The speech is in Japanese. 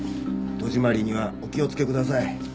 戸締まりにはお気をつけください。